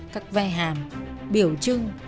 các vai hàm biểu trưng